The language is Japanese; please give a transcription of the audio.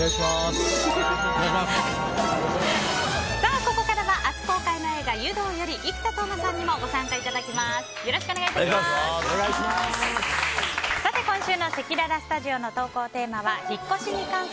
ここからは明日公開の映画「湯道」より生田斗真さんにもご参加いただきます。